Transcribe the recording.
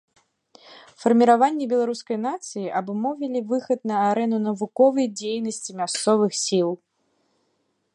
Фарміраванне беларускай нацыі абумовілі выхад на арэну навуковай дзейнасці мясцовых сіл.